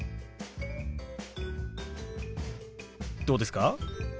どうですか？